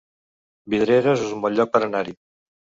Vidreres es un bon lloc per anar-hi